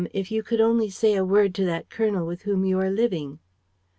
If you could only say a word to that Colonel with whom you are living?"